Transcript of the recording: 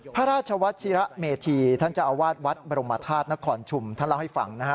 พระราชวัชิระเมธีท่านเจ้าอาวาสวัดบรมธาตุนครชุมท่านเล่าให้ฟังนะฮะ